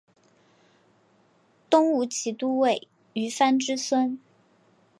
东吴骑都尉虞翻之孙。